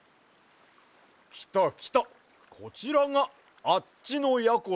きたきたこちらがあっちのやころだわ。